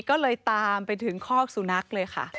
ก็เลยตามไปถึงคอกสุนัขเลยค่ะ